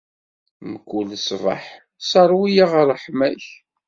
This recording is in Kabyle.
Mkul ṣṣbeḥ, sseṛwu-yaɣ s ṛṛeḥma-k.